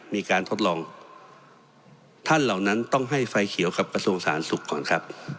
มีการทดลองท่านเหล่านั้นต้องให้ไฟเขียวกับกระทรวงสาธารณสุขก่อนครับ